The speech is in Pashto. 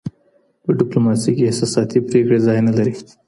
په ډیپلوماسي کي احساساتي پرېکړي ځای نه لري.